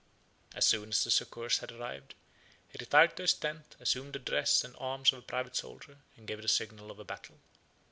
As soon as the succors had arrived, he retired to his tent, assumed the dress and arms of a private soldier, and gave the signal of a battle.